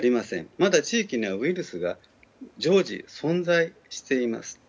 まだ地域にはウイルスが常時、存在しています。